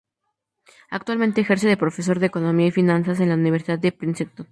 Actualmente ejerce de Profesor de Economía y Finanzas en la Universidad de Princeton.